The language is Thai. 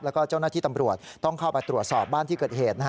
แล้วก็เจ้าหน้าที่ตำรวจต้องเข้าไปตรวจสอบบ้านที่เกิดเหตุ